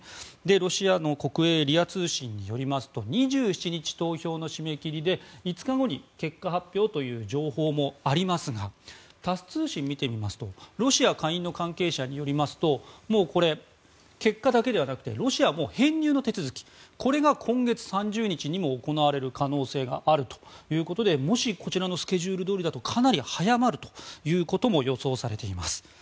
ロシアの国営ＲＩＡ通信によりますと２７日、投票の締め切りで５日後に結果発表という情報もありますがタス通信、見てみますとロシア下院の関係者によりますともうこれ、結果だけではなくてロシア編入の手続きが今月３０日にも行われる可能性があるということでもし、こちらのスケジュールどおりだとかなり早まるということも予想されています。